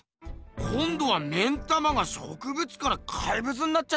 こんどは目ん玉が植物から怪物になっちゃったぞ。